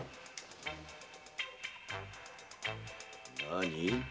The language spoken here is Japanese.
何？